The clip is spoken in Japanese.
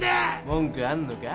文句あんのか？